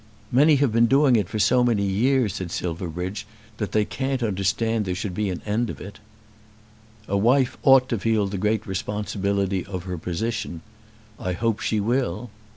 "Many have been doing it for so many years," said Silverbridge, "that they can't understand that there should be an end of it." "A wife ought to feel the great responsibility of her position. I hope she will."